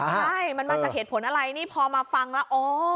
ใช่มันมาจากเหตุผลอะไรนี่พอมาฟังแล้วอ๋อ